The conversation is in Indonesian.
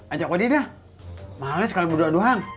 anjak wadidah malas sekali berdoa doang